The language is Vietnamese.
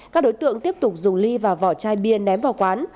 các đối tượng tiếp tục dùng ly và vỏ chai bia ném vào quán